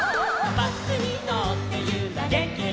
「バスにのってゆられてる」